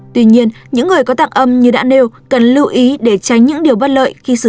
tuy nhiên những người có tặng âm như đã nêu cần lưu ý để tránh những điều bất lợi khi sử dụng